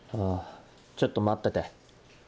ちょっと待ってて。